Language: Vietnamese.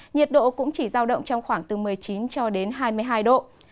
nhiệt độ cũng chỉ giao động trong khoảng từ một mươi chín cho đến hai mươi hai độ